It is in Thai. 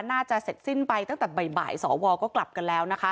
น่าจะเสร็จสิ้นไปตั้งแต่บ่ายสวก็กลับกันแล้ว